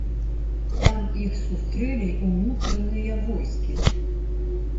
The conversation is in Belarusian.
Там іх сустрэлі ўнутраныя войскі.